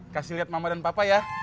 kasih lihat mama dan papa ya